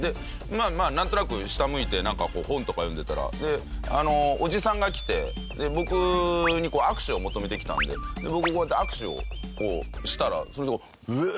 まあまあなんとなく下向いて本とか読んでたらおじさんが来て僕に握手を求めてきたんで僕こうやって握手をしたらその人。